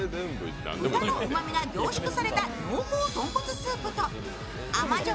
豚のうまみが凝縮された濃厚豚骨スープと甘じょ